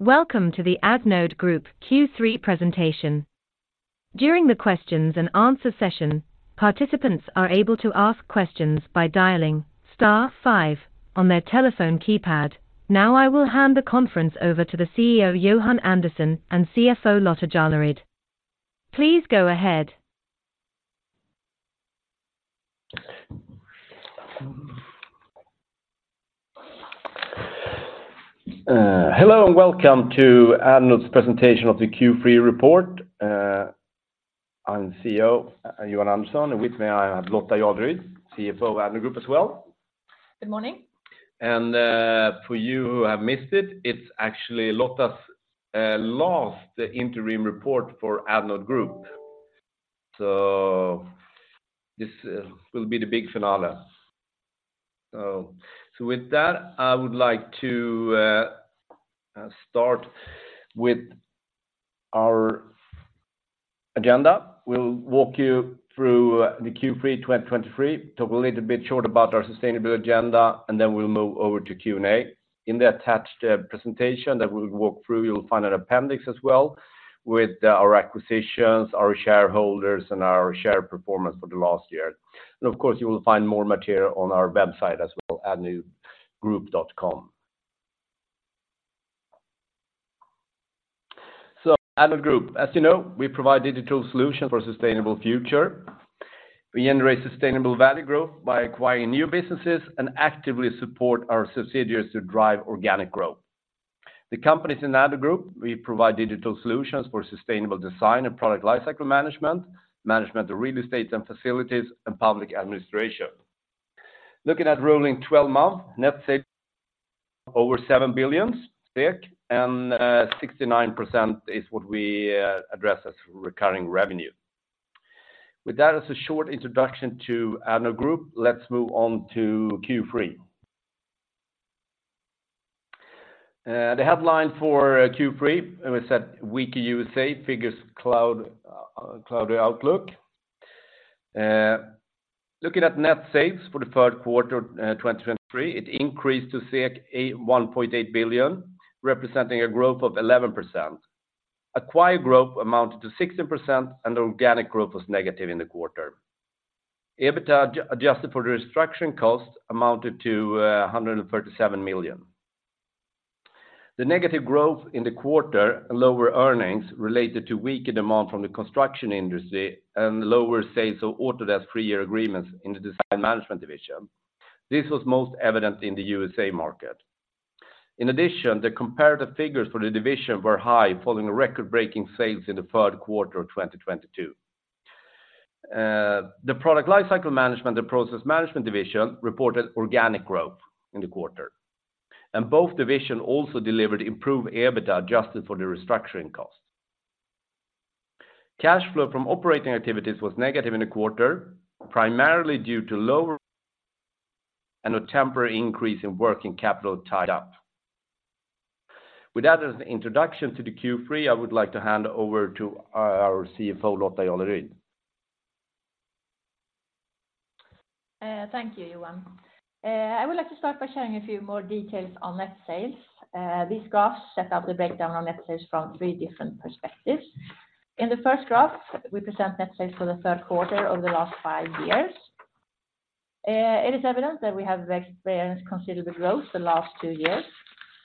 Welcome to the Addnode Group Q3 presentation. During the questions and answer session, participants are able to ask questions by dialing star five on their telephone keypad. Now, I will hand the conference over to the CEO, Johan Andersson, and CFO, Lotta Jarleryd. Please go ahead. Hello, and welcome to Addnode's presentation of the Q3 report. I'm CEO Johan Andersson, and with me, I have Lotta Jarleryd, CFO of Addnode Group as well. Good morning. For you who have missed it, it's actually Lotta's last interim report for Addnode Group. So this will be the big finale. So with that, I would like to start with our agenda. We'll walk you through the Q3 2023, talk a little bit short about our sustainability agenda, and then we'll move over to Q&A. In the attached presentation that we'll walk through, you'll find an appendix as well with our acquisitions, our shareholders, and our share performance for the last year. And, of course, you will find more material on our website as well, addnodegroup.com. So Addnode Group, as you know, we provide digital solutions for sustainable future. We generate sustainable value growth by acquiring new businesses and actively support our subsidiaries to drive organic growth. The companies in Addnode Group, we provide digital solutions for sustainable design and product lifecycle management, management of real estate and facilities, and public administration. Looking at rolling twelve-month net sales over 7 billion, and 69% is what we address as recurring revenue. With that as a short introduction to Addnode Group, let's move on to Q3. The headline for Q3, and we said, weaker USA figures cloud cloudy outlook. Looking at net sales for the third quarter of 2023, it increased to 1.8 billion, representing a growth of 11%. Acquired growth amounted to 16%, and organic growth was negative in the quarter. EBITDA, adjusted for the restructuring cost, amounted to 137 million. The negative growth in the quarter and lower earnings related to weaker demand from the construction industry and lower sales of Autodesk three-year agreements in the Design Management division. This was most evident in the USA market. In addition, the comparative figures for the division were high, following a record-breaking sales in the third quarter of 2022. The Product Lifecycle Management and Process Management division reported organic growth in the quarter, and both division also delivered improved EBITDA, adjusted for the restructuring cost. Cash flow from operating activities was negative in the quarter, primarily due to lower, and a temporary increase in working capital tied up. With that as an introduction to the Q3, I would like to hand over to our CFO, Lotta Jarleryd. Thank you, Johan. I would like to start by sharing a few more details on net sales. These graphs set out the breakdown on net sales from three different perspectives. In the first graph, we present net sales for the third quarter over the last five years. It is evident that we have experienced considerable growth the last two years.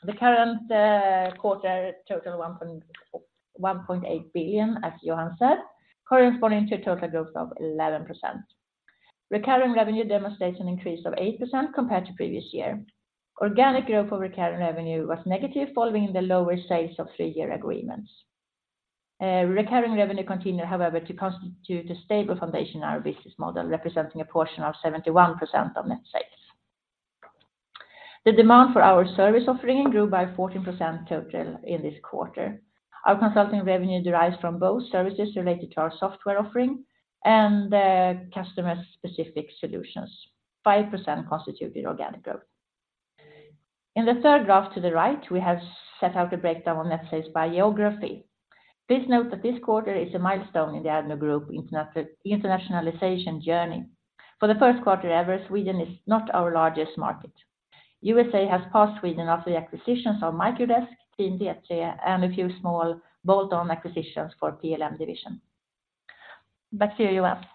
The current quarter total 1.18 billion, as Johan said, corresponding to total growth of 11%. Recurring revenue demonstrates an increase of 8% compared to previous year. Organic growth over recurring revenue was negative, following the lower sales of three-year agreements. Recurring revenue continued, however, to constitute a stable foundation in our business model, representing a portion of 71% of net sales. The demand for our service offering grew by 14% total in this quarter. Our consulting revenue derives from both services related to our software offering and the customer-specific solutions. 5% constituted organic growth. In the third graph to the right, we have set out a breakdown on net sales by geography. Please note that this quarter is a milestone in the Addnode Group international, internationalization journey. For the first quarter ever, Sweden is not our largest market. USA has passed Sweden after the acquisitions of Microdesk, Team D3, and a few small bolt-on acquisitions for PLM division. Back to you, Johan.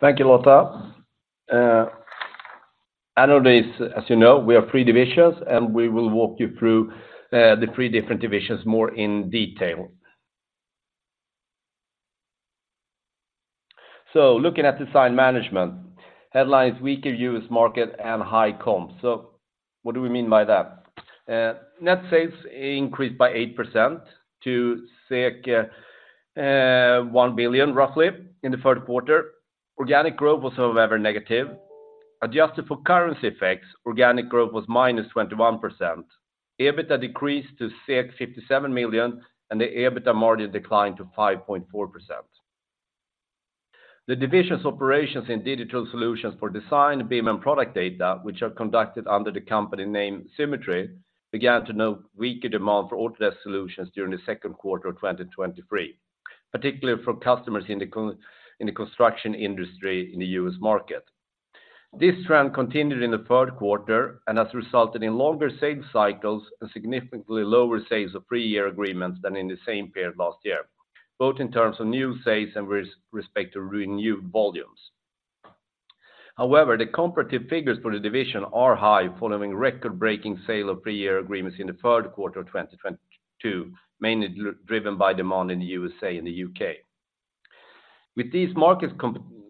Thank you, Lotta. Addnode, as you know, we are three divisions, and we will walk you through the three different divisions more in detail. So looking at Design Management, headlines, weaker U.S. market and high comp. So what do we mean by that? Net sales increased by 8% to 1 billion, roughly, in the third quarter. Organic growth was, however, negative. Adjusted for currency effects, organic growth was -21%. EBITDA decreased to 57 million, and the EBITDA margin declined to 5.4%. The division's operations in digital solutions for design, BIM, and product data, which are conducted under the company name Symetri, began to note weaker demand for Autodesk solutions during the second quarter of 2023, particularly from customers in the construction industry in the U.S. market. This trend continued in the third quarter and has resulted in longer sales cycles and significantly lower sales of three-year agreements than in the same period last year, both in terms of new sales and with respect to renewed volumes. However, the comparative figures for the division are high following record-breaking sale of three-year agreements in the third quarter of 2022, mainly driven by demand in the USA and the U.K. With these market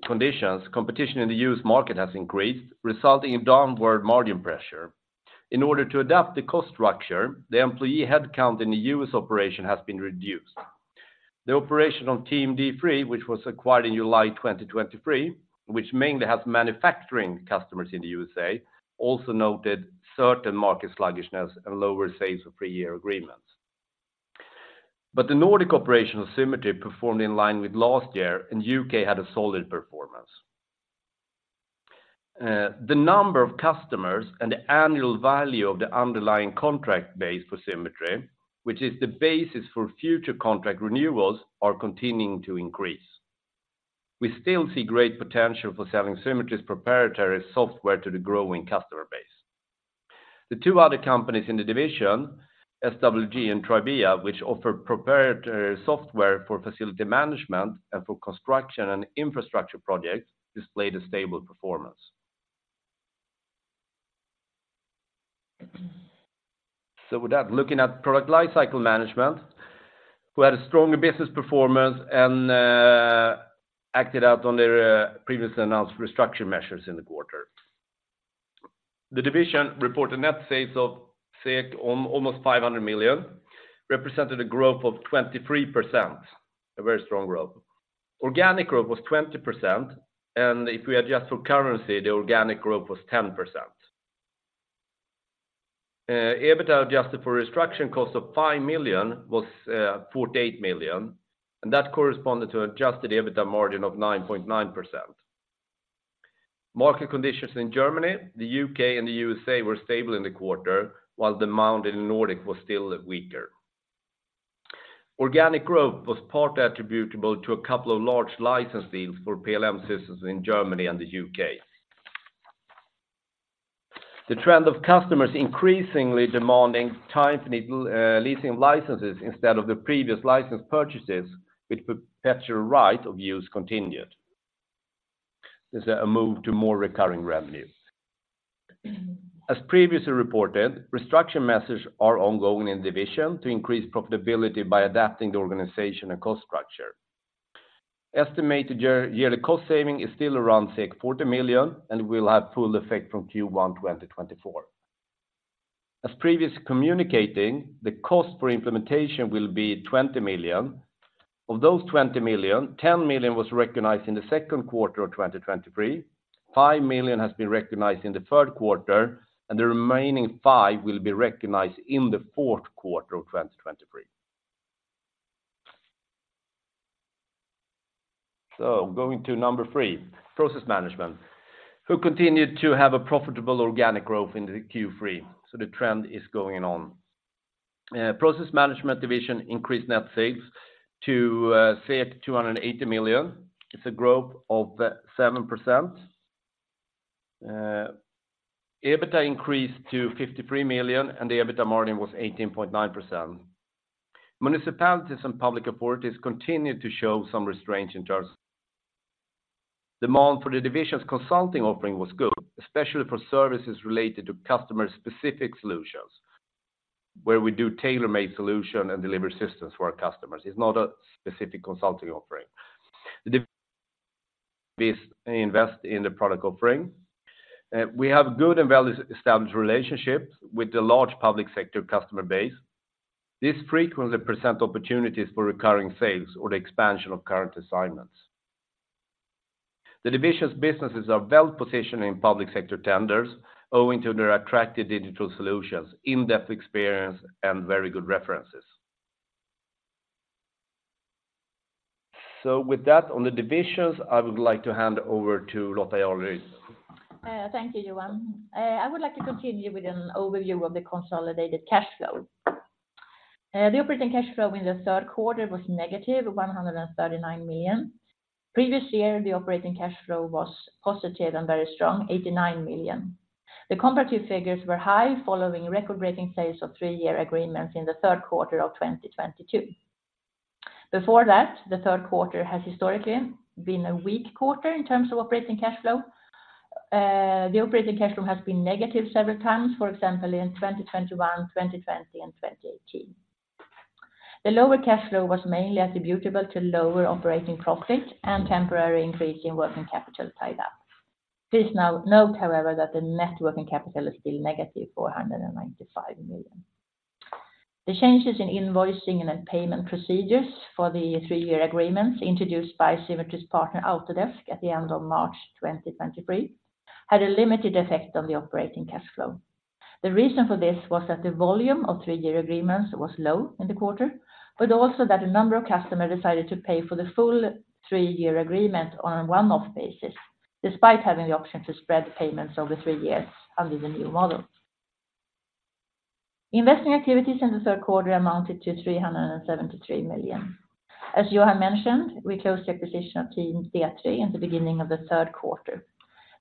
conditions, competition in the U.S. market has increased, resulting in downward margin pressure. In order to adapt the cost structure, the employee headcount in the U.S. operation has been reduced. The operation of Team D3, which was acquired in July 2023, which mainly has manufacturing customers in the USA, also noted certain market sluggishness and lower sales of three-year agreements. But the Nordic operational Symetri performed in line with last year, and UK had a solid performance. The number of customers and the annual value of the underlying contract base for Symetri, which is the basis for future contract renewals, are continuing to increase. We still see great potential for selling Symetri's proprietary software to the growing customer base. The two other companies in the division, SWG and Tribia, which offer proprietary software for facility management and for construction and infrastructure projects, displayed a stable performance. So with that, looking at Product Lifecycle Management, we had a stronger business performance and acted out on their previously announced restructure measures in the quarter. The division reported net sales of SEK almost 500 million, represented a growth of 23%, a very strong growth. Organic growth was 20%, and if we adjust for currency, the organic growth was 10%. EBITDA, adjusted for restructuring cost of 5 million, was 48 million, and that corresponded to adjusted EBITDA margin of 9.9%. Market conditions in Germany, the U.K., and the U.S.A. were stable in the quarter, while demand in the Nordic was still weaker. Organic growth was part attributable to a couple of large license deals for PLM systems in Germany and the U.K. The trend of customers increasingly demanding time to need leasing licenses instead of the previous license purchases, with perpetual right of use continued. There's a move to more recurring revenues. As previously reported, restructure measures are ongoing in the division to increase profitability by adapting the organization and cost structure. Estimated yearly cost saving is still around 40 million and will have full effect from Q1 2024. As previously communicated, the cost for implementation will be 20 million. Of those 20 million, 10 million was recognized in the second quarter of 2023, 5 million has been recognized in the third quarter, and the remaining 5 million will be recognized in the fourth quarter of 2023. So going to number three, Process Management, which continued to have a profitable organic growth in Q3, so the trend is going on. Process Management division increased net sales to 280 million. It's a growth of 7%. EBITDA increased to 53 million, and the EBITDA margin was 18.9%. Municipalities and public authorities continued to show some restraint in terms of demand for the division's consulting offering was good, especially for services related to customer-specific solutions, where we do tailor-made solution and delivery systems for our customers. It's not a specific consulting offering. This investment in the product offering. We have good and well-established relationships with the large public sector customer base. This frequently presents opportunities for recurring sales or the expansion of current assignments. The division's businesses are well positioned in public sector tenders, owing to their attractive digital solutions, in-depth experience, and very good references. So with that on the divisions, I would like to hand over to Lotta Jarleryd. Thank you, Johan. I would like to continue with an overview of the consolidated cash flow. The operating cash flow in the third quarter was -139 million. Previous year, the operating cash flow was positive and very strong 89 million. The comparative figures were high, following record-breaking sales of three-year agreements in the third quarter of 2022. Before that, the third quarter has historically been a weak quarter in terms of operating cash flow. The operating cash flow has been negative several times, for example, in 2021, 2020, and 2018. The lower cash flow was mainly attributable to lower operating profit and temporary increase in working capital tied up. Please now note, however, that the net working capital is still negative 495 million. The changes in invoicing and payment procedures for the three-year agreements introduced by Symetri's partner, Autodesk, at the end of March 2023, had a limited effect on the operating cash flow. The reason for this was that the volume of three-year agreements was low in the quarter, but also that a number of customers decided to pay for the full three-year agreement on a one-off basis, despite having the option to spread payments over three years under the new model. Investing activities in the third quarter amounted to 373 million. As you have mentioned, we closed the acquisition of Team D3 in the beginning of the third quarter.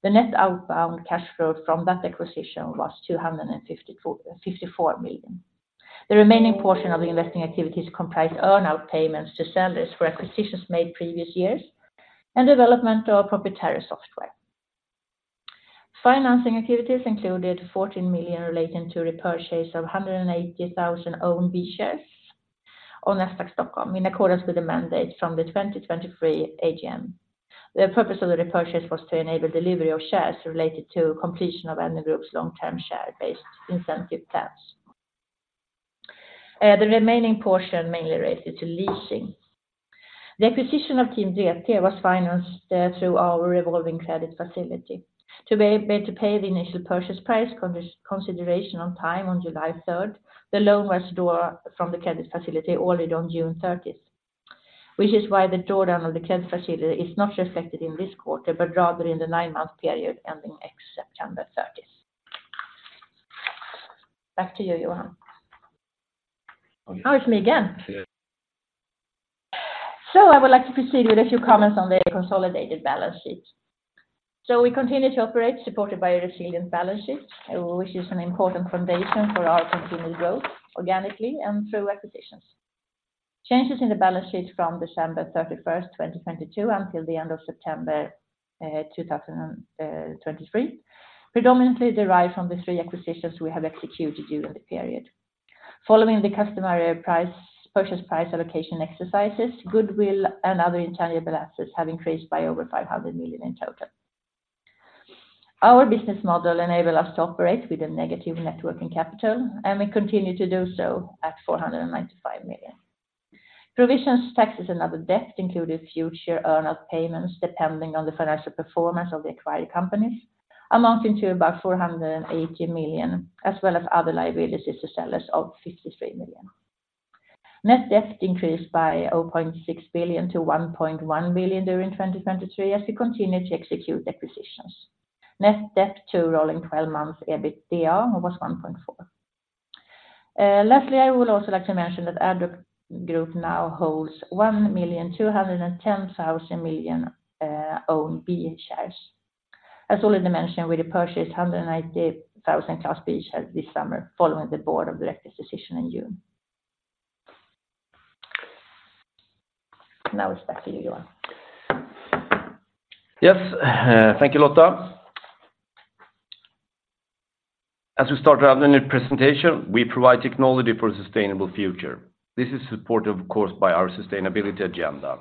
The net outbound cash flow from that acquisition was 254.54 million. The remaining portion of the investing activities comprise earnout payments to sellers for acquisitions made previous years and development of proprietary software. Financing activities included 14 million relating to repurchase of 180,000 own B shares on Nasdaq Stockholm, in accordance with the mandate from the 2023 AGM. The purpose of the repurchase was to enable delivery of shares related to completion of Addnode Group's long-term share-based incentive plans. The remaining portion mainly related to leasing. The acquisition of Team D3 was financed through our revolving credit facility. To be able to pay the initial purchase price consideration on time on July third, the loan was drawn from the credit facility already on June thirtieth, which is why the drawdown of the credit facility is not reflected in this quarter, but rather in the nine-month period ending next September thirtieth. Back to you, Johan. Oh, it's me again. So I would like to proceed with a few comments on the consolidated balance sheet. So we continue to operate, supported by a resilient balance sheet, which is an important foundation for our continued growth, organically and through acquisitions. Changes in the balance sheet from December 31, 2022 until the end of September 2023, predominantly derive from the 3 acquisitions we have executed during the period. Following the customary purchase price allocation exercises, goodwill and other intangible assets have increased by over 500 million in total. Our business model enable us to operate with a negative net working capital, and we continue to do so at -495 million. Provisions, taxes, and other debt include a future earn out payments depending on the financial performance of the acquired companies, amounting to about 480 million, as well as other liabilities to sellers of 53 million. Net debt increased by 0.6 billion to 1.1 billion during 2023 as we continue to execute acquisitions. Net debt to rolling twelve-month EBITDA was 1.4. Lastly, I would also like to mention that Addnode Group now holds 1,210,000 own B shares. As already mentioned, we repurchased 180,000 class B shares this summer following the board of directors decision in June. Now it's back to you, Johan. Yes, thank you, Lotta. As we start our new presentation, we provide technology for a sustainable future. This is supported, of course, by our sustainability agenda.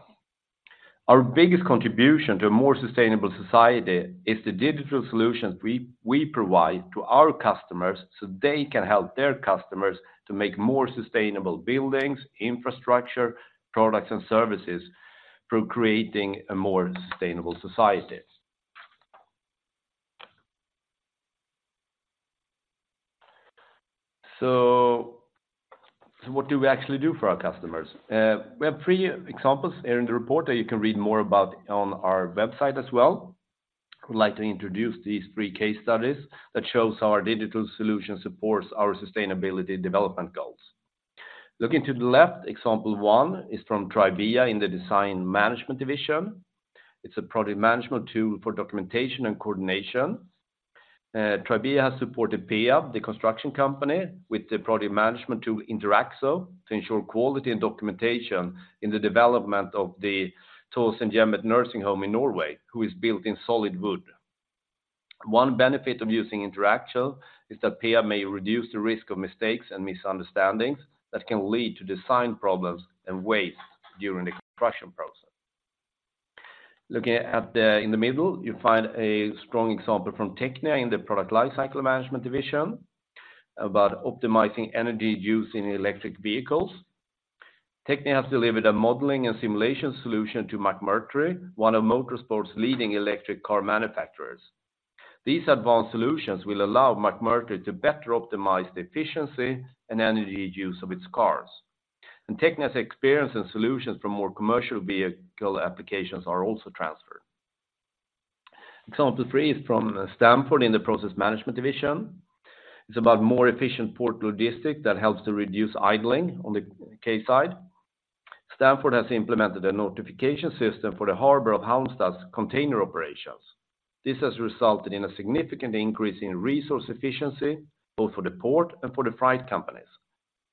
Our biggest contribution to a more sustainable society is the digital solutions we, we provide to our customers, so they can help their customers to make more sustainable buildings, infrastructure, products, and services through creating a more sustainable society. So what do we actually do for our customers? We have three examples here in the report that you can read more about on our website as well. I would like to introduce these three case studies that shows how our digital solution supports our Sustainable Development Goals. Looking to the left, example one is from Tribia in the Design Management division. It's a project management tool for documentation and coordination. Tribia has supported Peab, the construction company, with the project management tool, Interaxo, to ensure quality and documentation in the development of the Tåsenhjemmet Nursing Home in Norway, who is built in solid wood. One benefit of using Interaxo is that Peab may reduce the risk of mistakes and misunderstandings that can lead to design problems and waste during the construction process. Looking at in the middle, you find a strong example from Technia in the product life cycle management division about optimizing energy use in electric vehicles. Technia has delivered a modeling and simulation solution to McMurtry, one of motorsport's leading electric car manufacturers. These advanced solutions will allow McMurtry to better optimize the efficiency and energy use of its cars. And Technia's experience and solutions for more commercial vehicle applications are also transferred. Example three is from Stamford in the process management division. It's about more efficient port logistics that helps to reduce idling on the quayside. Stamford has implemented a notification system for the harbor of Halmstad's container operations. This has resulted in a significant increase in resource efficiency, both for the port and for the freight companies.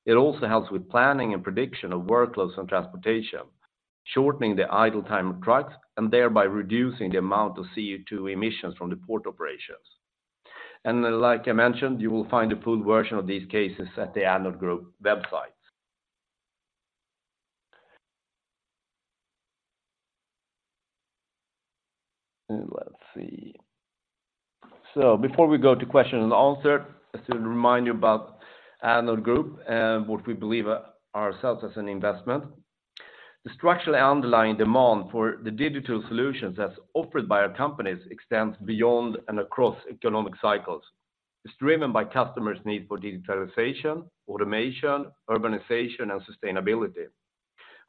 It also helps with planning and prediction of workloads and transportation, shortening the idle time of trucks, and thereby reducing the amount of CO2 emissions from the port operations. And like I mentioned, you will find a full version of these cases at the Addnode Group website. Let's see. So before we go to question-and-answer, just to remind you about Addnode Group, what we believe ourselves as an investment. The structurally underlying demand for the digital solutions as offered by our companies extends beyond and across economic cycles. It's driven by customers' need for digitalization, automation, urbanization, and sustainability.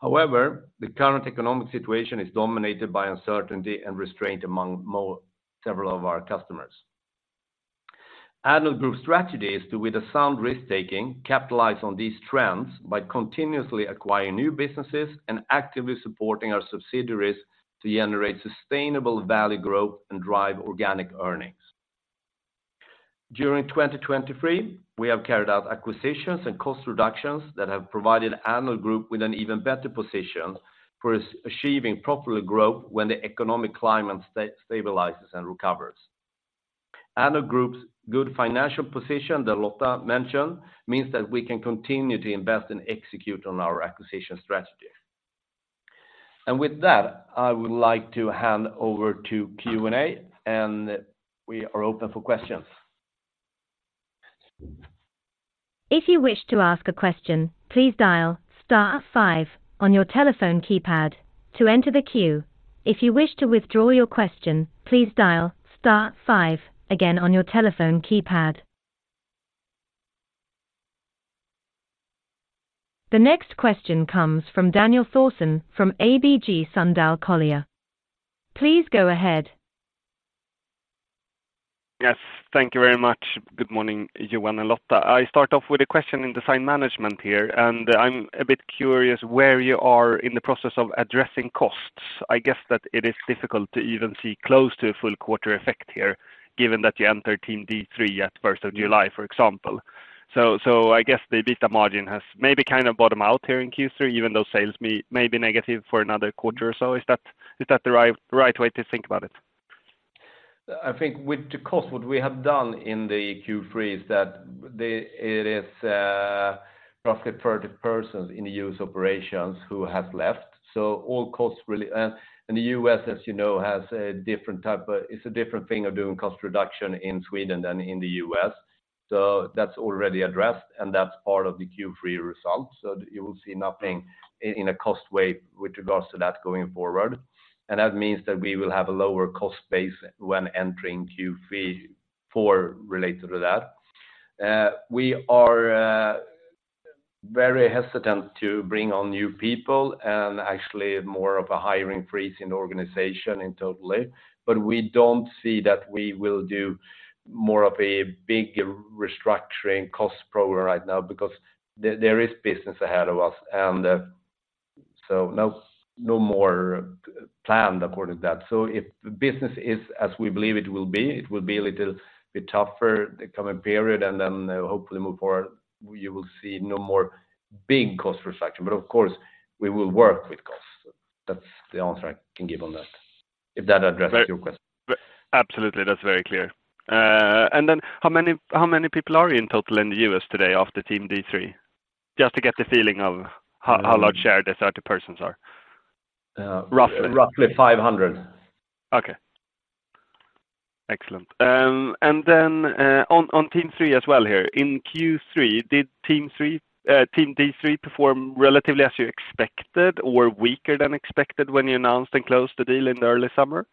However, the current economic situation is dominated by uncertainty and restraint among several of our customers. Addnode Group strategy is to, with a sound risk-taking, capitalize on these trends by continuously acquiring new businesses and actively supporting our subsidiaries to generate sustainable value growth and drive organic earnings. During 2023, we have carried out acquisitions and cost reductions that have provided Addnode Group with an even better position for achieving profitable growth when the economic climate stabilizes and recovers. Addnode Group's good financial position that Lotta mentioned means that we can continue to invest and execute on our acquisition strategy. And with that, I would like to hand over to Q&A, and we are open for questions. If you wish to ask a question, please dial star five on your telephone keypad to enter the queue. If you wish to withdraw your question, please dial star five again on your telephone keypad. The next question comes from Daniel Thorsson from ABG Sundal Collier. Please go ahead. Yes, thank you very much. Good morning, Johan and Lotta. I start off with a question in Design Management here, and I'm a bit curious where you are in the process of addressing costs. I guess that it is difficult to even see close to a full quarter effect here, given that you end Team D3 at first of July, for example. So, so I guess the EBIT margin has maybe kind of bottomed out here in Q3, even though sales may, may be negative for another quarter or so. Is that, is that the right, right way to think about it? I think with the cost, what we have done in the Q3 is that it is roughly 30 persons in the U.S. operations who have left. So all costs really, and the U.S., as you know, has a different type of. It is a different thing of doing cost reduction in Sweden than in the U.S. So that is already addressed, and that is part of the Q3 results. So you will see nothing in a cost way with regards to that going forward. And that means that we will have a lower cost base when entering Q4 related to that. We are very hesitant to bring on new people, and actually more of a hiring freeze in the organization in total. But we don't see that we will do more of a big restructuring cost program right now because there, there is business ahead of us, and, so no, no more planned according to that. So if the business is as we believe it will be, it will be a little bit tougher the coming period, and then hopefully move forward, you will see no more big cost reduction. But of course, we will work with costs. That's the answer I can give on that, if that addresses your question. Absolutely, that's very clear. And then how many people are you in total in the U.S. today after Team D3? Just to get the feeling of how large share the 30 persons are, roughly. Roughly 500. Okay. Excellent. And then, on Team D3 as well here. In Q3, did Team D3 perform relatively as you expected or weaker than expected when you announced and closed the deal in the early summer?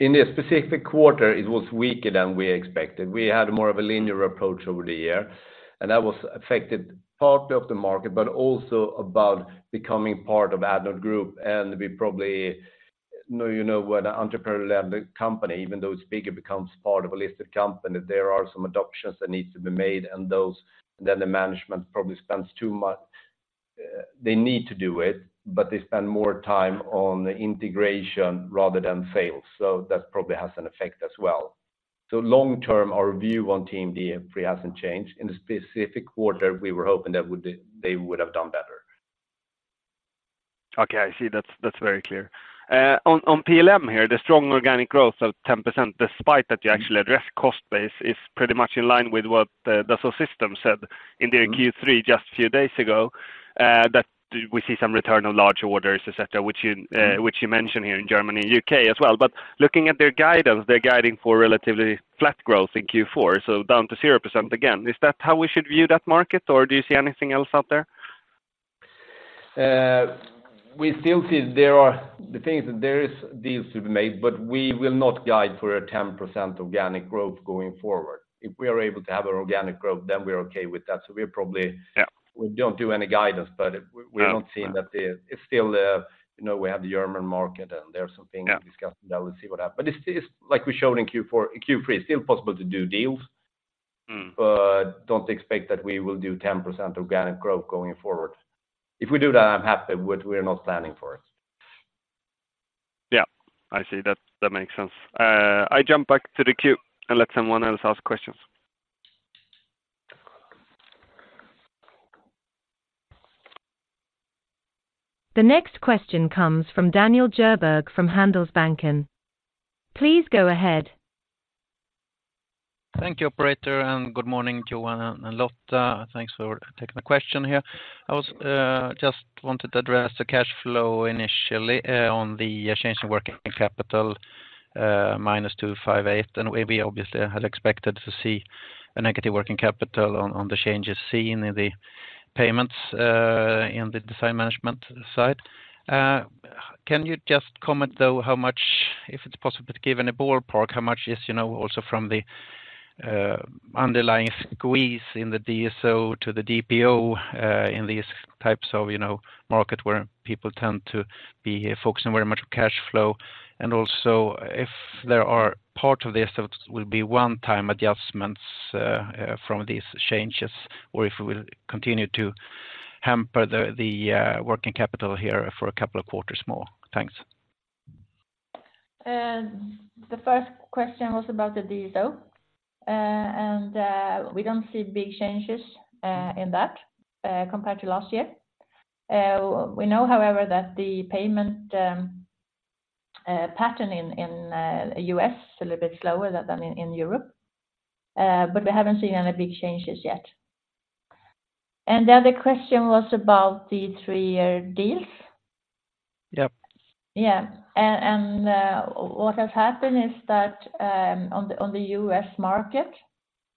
In this specific quarter, it was weaker than we expected. We had more of a linear approach over the year, and that was affected part of the market, but also about becoming part of Addnode Group. We probably know, you know, when an entrepreneur-led company, even though it's bigger, becomes part of a listed company, there are some adaptations that needs to be made, and those, then the management probably spends too much. They need to do it, but they spend more time on the integration rather than sales, so that probably has an effect as well. So long term, our view on Team D3 hasn't changed. In the specific quarter, we were hoping that would they, they would have done better. Okay, I see. That's, that's very clear. On PLM here, the strong organic growth of 10%, despite that you actually address cost base, is pretty much in line with what Dassault Systèmes said in their Q3 just a few days ago, that we see some return on larger orders, et cetera, which you mentioned here in Germany and UK as well. But looking at their guidance, they're guiding for relatively flat growth in Q4, so down to 0% again. Is that how we should view that market, or do you see anything else out there? We still see there are the things, there is deals to be made, but we will not guide for a 10% organic growth going forward. If we are able to have an organic growth, then we are okay with that. So we probably- Yeah. We don't do any guidance, but we- Yeah We're not seeing that it's still, you know, we have the German market, and there are some things- Yeah to discuss, and then we'll see what happens. But it's, it's like we showed in Q4, Q3, it's still possible to do deals. Mm. But don't expect that we will do 10% organic growth going forward. If we do that, I'm happy, but we are not planning for it. Yeah, I see. That, that makes sense. I jump back to the queue and let someone else ask questions. The next question comes from Daniel Djurberg from Handelsbanken. Please go ahead. Thank you, operator, and good morning, Johan and Lotta. Thanks for taking the question here. I was just wanted to address the cash flow initially, on the change in working capital, -258, and we obviously had expected to see a negative working capital on, on the changes seen in the payments, in the Design Management side... Can you just comment though, how much, if it's possible to give any ballpark, how much is, you know, also from the underlying squeeze in the DSO to the DPO, in these types of, you know, market where people tend to be focusing very much on cash flow, and also if there are part of this that will be one time adjustments, from these changes, or if it will continue to hamper the working capital here for a couple of quarters more? Thanks. The first question was about the DSO. We don't see big changes in that compared to last year. We know, however, that the payment pattern in the U.S. is a little bit slower than in Europe, but we haven't seen any big changes yet. The other question was about the three-year deals? Yep. Yeah. And what has happened is that on the U.S. market,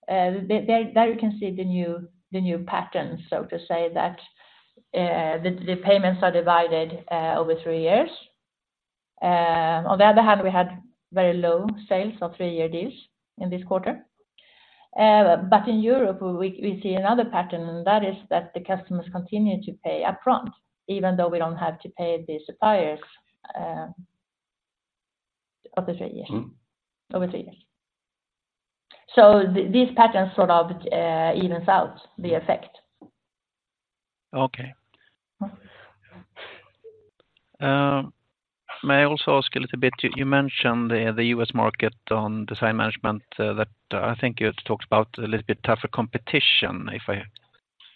there you can see the new patterns. So to say that the payments are divided over three years. On the other hand, we had very low sales of three-year deals in this quarter. But in Europe, we see another pattern, and that is that the customers continue to pay upfront, even though we don't have to pay the suppliers over three years- Mm-hmm over three years. So these patterns sort of evens out the effect. Okay. May I also ask a little bit, you mentioned the U.S. market on Design Management, that I think you talked about a little bit tougher competition, if I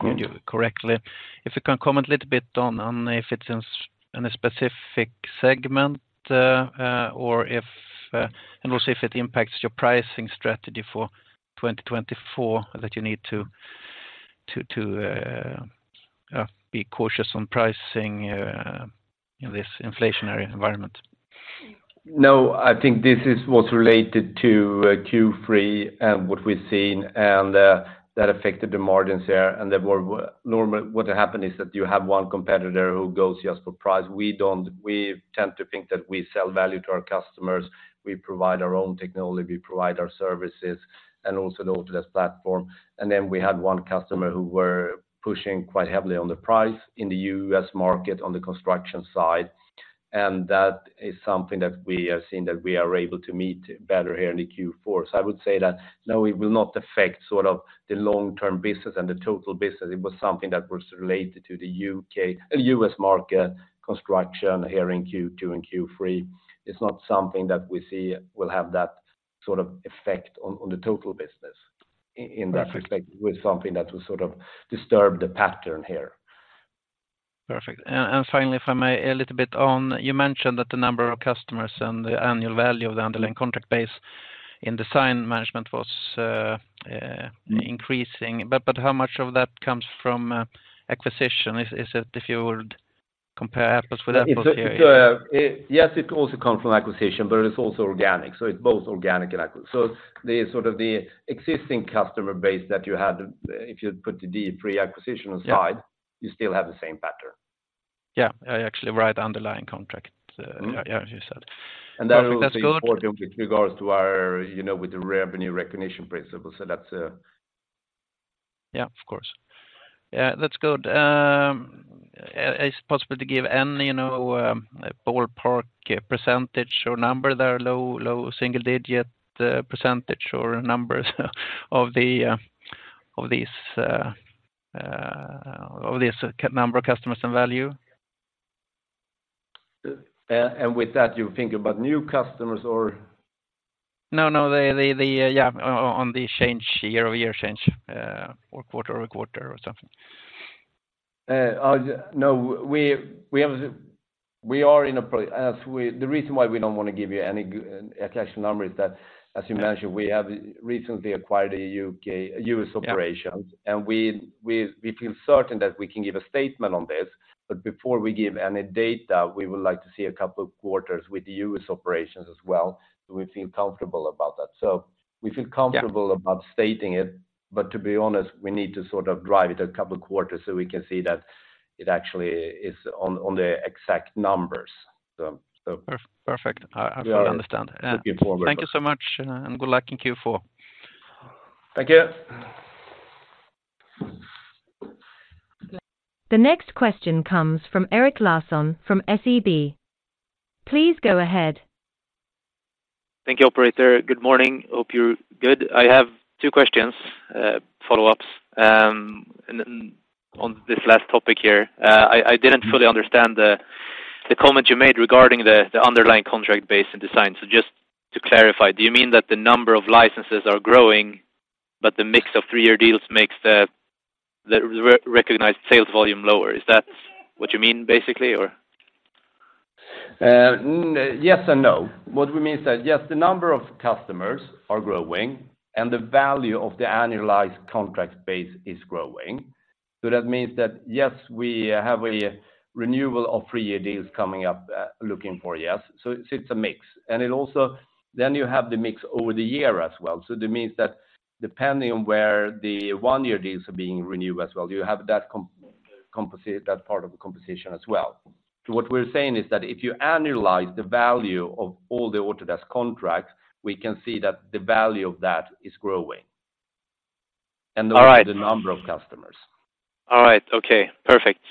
hear you correctly. If you can comment a little bit on if it's in a specific segment, or if, and also if it impacts your pricing strategy for 2024, that you need to be cautious on pricing in this inflationary environment. No, I think this is what's related to Q3 and what we've seen, and that affected the margins there. And then where normally, what happened is that you have one competitor who goes just for price. We don't. We tend to think that we sell value to our customers. We provide our own technology, we provide our services, and also the Autodesk platform. And then we had one customer who were pushing quite heavily on the price in the U.S. market, on the construction side, and that is something that we have seen that we are able to meet better here in the Q4. So I would say that, no, it will not affect sort of the long-term business and the total business. It was something that was related to the U.K., U.S. market construction here in Q2 and Q3. It's not something that we see will have that sort of effect on the total business. In that respect, it was something that was sort of disturbed the pattern here. Perfect. And finally, if I may, a little bit on, you mentioned that the number of customers and the annual value of the underlying contract base in Design Management was increasing. But how much of that comes from acquisition? Is it if you would compare apples with apples here? So, yes, it also comes from acquisition, but it's also organic, so it's both organic and acq. So the sort of the existing customer base that you had, if you put the D3 acquisition aside- Yeah you still have the same pattern. Yeah, I actually write underlying contract. yeah, as you said. And that will be important with regards to our, you know, with the revenue recognition principle. So that's a- Yeah, of course. Yeah, that's good. Is it possible to give any, you know, ballpark percentage or number there, low single-digit percentage or numbers of these number of customers and value? With that, you think about new customers or? No, no. Yeah, on the change, year-over-year change, or quarter-over-quarter or something. I'll-- No, we have the, we are in a pro... As we- the reason why we don't want to give you any g- actual number is that, as you mentioned, we have recently acquired a U.K.-U.S. operations. Yeah. We feel certain that we can give a statement on this, but before we give any data, we would like to see a couple of quarters with the U.S. operations as well, so we feel comfortable about that. We feel comfortable- Yeah about stating it, but to be honest, we need to sort of drive it a couple quarters so we can see that it actually is on the exact numbers. So. Perfect. I, I understand. Looking forward. Thank you so much, and good luck in Q4. Thank you. The next question comes from Erik Larsson from SEB. Please go ahead. Thank you, operator. Good morning. Hope you're good. I have two questions, follow-ups, and on this last topic here. I didn't fully understand the comment you made regarding the underlying contract base and design. So just to clarify, do you mean that the number of licenses are growing, but the mix of three-year deals makes the recognized sales volume lower? Is that what you mean, basically, or? Yes and no. What we mean is that, yes, the number of customers are growing and the value of the annualized contract base is growing. So that means that, yes, we have a renewal of three-year deals coming up, looking for, yes, so it's, it's a mix. And it also, then you have the mix over the year as well. So that means that depending on where the one-year deals are being renewed as well, you have that composite, that part of the composition as well. So what we're saying is that if you annualize the value of all the Autodesk contracts, we can see that the value of that is growing, and- All right. The number of customers. All right. Okay, perfect.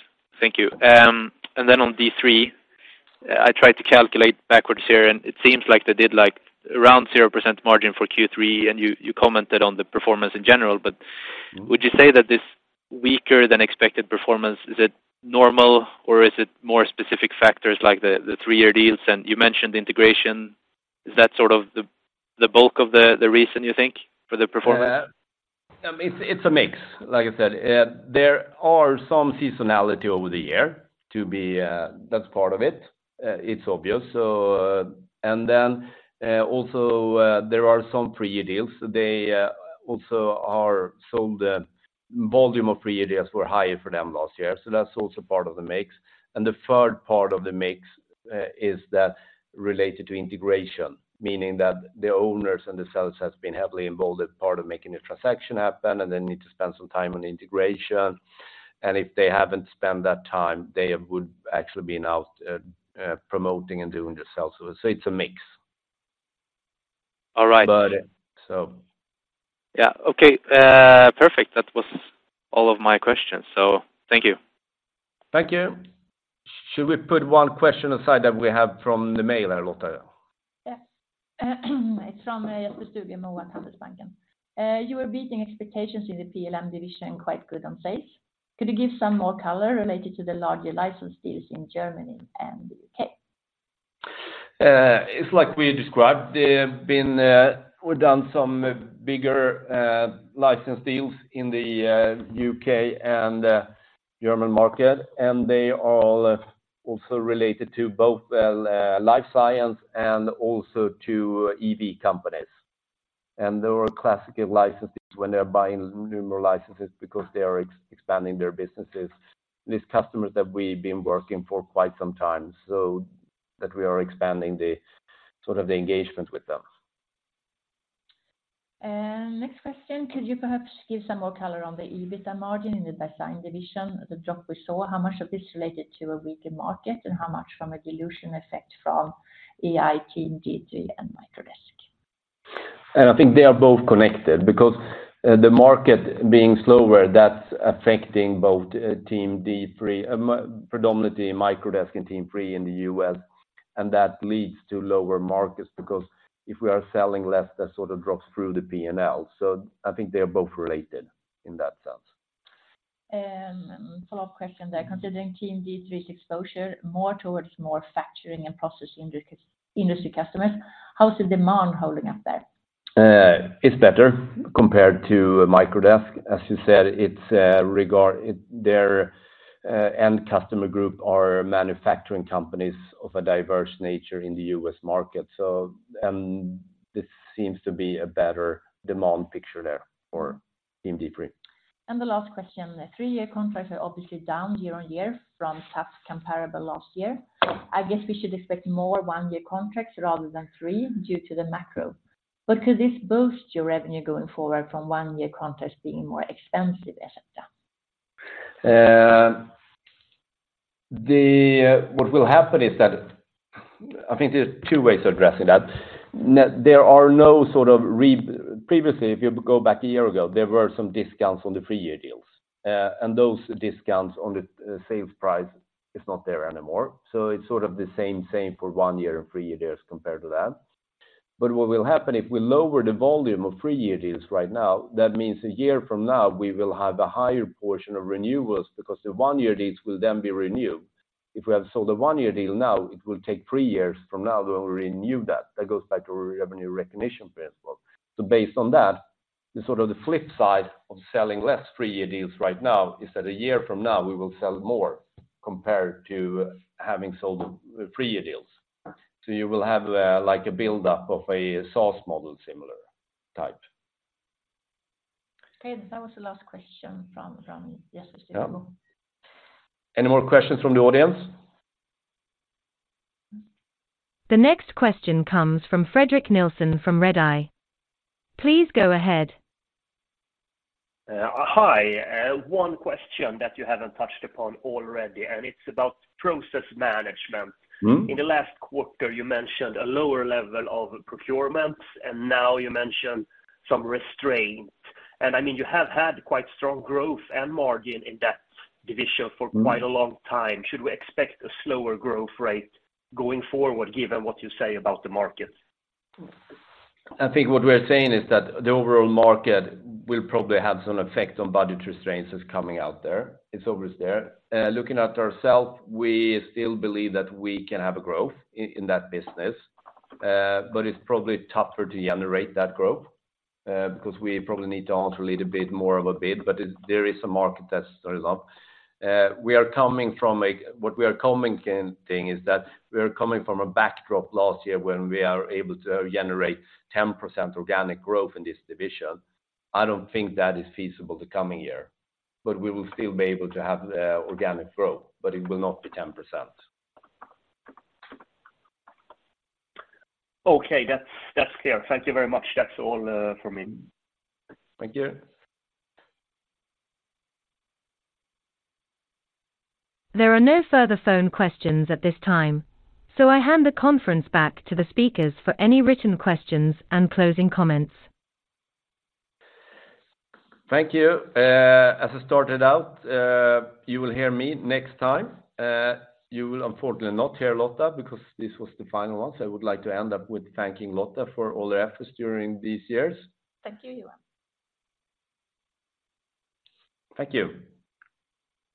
Thank you. And then on D3, I tried to calculate backwards here, and it seems like they did, like, around 0% margin for Q3, and you, you commented on the performance in general. But- Would you say that this weaker than expected performance is it normal, or is it more specific factors like the, the three-year deals? And you mentioned integration, is that sort of the, the bulk of the, the reason you think for the performance? It's a mix. Like I said, there are some seasonality over the year to be. That's part of it, it's obvious. So, and then, also, there are some three-year deals. They also are sold, volume of three-year deals were higher for them last year, so that's also part of the mix. And the third part of the mix is that related to integration, meaning that the owners and the sellers has been heavily involved as part of making the transaction happen, and they need to spend some time on integration. And if they haven't spent that time, they would actually be now promoting and doing the sales. So it's a mix. All right. But, so. Yeah. Okay, perfect. That was all of my questions, so thank you. Thank you. Should we put one question aside that we have from the mail, Lotta? Yes. It's from the studio, mailbag. You were beating expectations in the PLM division quite good on sales. Could you give some more color related to the larger license deals in Germany and the UK? It's like we described. There have been, we've done some bigger license deals in the UK and German market, and they all also related to both life science and also to EV companies. And there were classical licenses when they're buying numerous licenses because they are expanding their businesses. These customers that we've been working for quite some time, so that we are expanding the sort of the engagement with them. Next question. Could you perhaps give some more color on the EBITDA margin in the baseline division, the drop we saw? How much of this related to a weaker market, and how much from a dilution effect from EIT, D3, and Microdesk? I think they are both connected because the market being slower, that's affecting both, predominantly Microdesk and Team D3 in the U.S., and that leads to lower markets. Because if we are selling less, that sort of drops through the P&L. So I think they are both related in that sense. Follow-up question there. Considering Team D3's exposure more towards more factoring and processing industry customers, how is the demand holding up there? It's better compared to Microdesk. As you said, it's regarding their end customer group are manufacturing companies of a diverse nature in the US market. So, and this seems to be a better demand picture there for Team D3. And the last question. The three-year contracts are obviously down year on year from tough comparable last year. I guess we should expect more one-year contracts rather than three due to the macro. But could this boost your revenue going forward from one-year contracts being more expensive, et cetera? What will happen is that... I think there's two ways of addressing that. There are no sort of previously, if you go back a year ago, there were some discounts on the three-year deals. And those discounts on the sales price is not there anymore, so it's sort of the same, same for one year and three years compared to that. But what will happen if we lower the volume of three-year deals right now, that means a year from now, we will have a higher portion of renewals because the one-year deals will then be renewed. If we have sold a one-year deal now, it will take three years from now to renew that. That goes back to our revenue recognition principle. So based on that, the sort of flip side of selling less three-year deals right now is that a year from now, we will sell more compared to having sold the three-year deals. So you will have, like a buildup of a sales model, similar type. Okay. That was the last question from the studio. Yeah. Any more questions from the audience? The next question comes from Fredrik Nilsson from Redeye. Please go ahead. Hi. One question that you haven't touched upon already, and it's about Process Management. Mm-hmm. In the last quarter, you mentioned a lower level of procurements, and now you mentioned some restraint. I mean, you have had quite strong growth and margin in that division for- quite a long time. Should we expect a slower growth rate going forward, given what you say about the market? I think what we're saying is that the overall market will probably have some effect on budget restraints that's coming out there. It's always there. Looking at ourselves, we still believe that we can have a growth in that business, but it's probably tougher to generate that growth, because we probably need to alter a little bit more of a bid, but it, there is a market that starts up. What we are coming in thing is that we are coming from a backdrop last year when we are able to generate 10% organic growth in this division. I don't think that is feasible the coming year, but we will still be able to have the organic growth, but it will not be 10%. Okay. That's, that's clear. Thank you very much. That's all from me. Thank you. There are no further phone questions at this time, so I hand the conference back to the speakers for any written questions and closing comments. Thank you. As I started out, you will hear me next time. You will unfortunately not hear Lotta because this was the final one. So I would like to end up with thanking Lotta for all her efforts during these years. Thank you, Johan. Thank you.